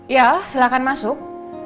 ya silakan masuk